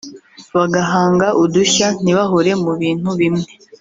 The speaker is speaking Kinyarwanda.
bagahanga udushya ntibahore mu bintu bimwe